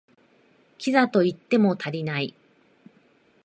キザと言っても足りない